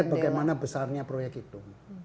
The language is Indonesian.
bagaimana besarnya proyek itu